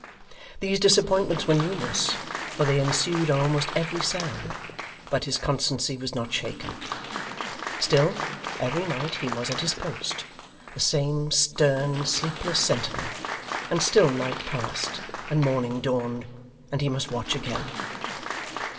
These disappointments were numerous, for they ensued on almost every sound, but his constancy was not shaken. Still, every night he was at his post, the same stern, sleepless, sentinel; and still night passed, and morning dawned, and he must watch again.